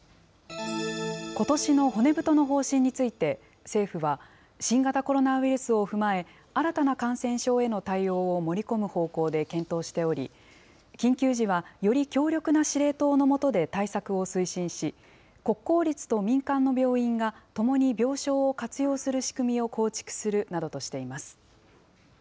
ことしの骨太の方針について、政府は、新型コロナウイルスを踏まえ、新たな感染症への対応を盛り込む方向で検討しており、緊急時は、より強力な司令塔の下で対策を推進し、国公立と民間の病院が、ともに病床を活用する仕組みを構築するなどとしています。